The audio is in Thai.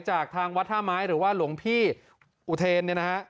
จากทางวัดท่าไม้หรือว่าหลวงพี่อุเทนเนี่ยนะฮะ